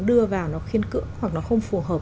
đưa vào nó khiên cưỡng hoặc nó không phù hợp